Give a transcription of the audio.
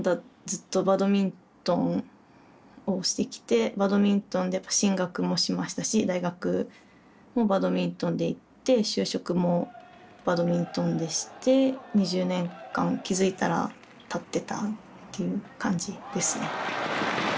ずっとバドミントンをしてきてバドミントンで進学もしましたし大学もバドミントンで行って就職もバドミントンでして２０年間気付いたらたってたっていう感じですね。